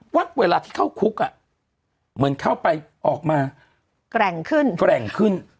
ว่าเวลาที่เข้าคุกอ่ะเหมือนเข้าไปออกมาแกร่งขึ้นแกร่งขึ้น